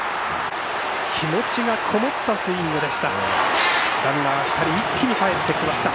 気持ちがこもったスイングでした。